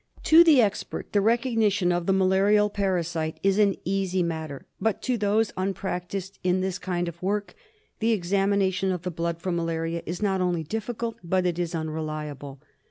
To the expert the recognition of the malarial parasite is an easy matter, but to those unpractised in this kind of work the examination of the blood for malaria is not only difficult but it is unreliable.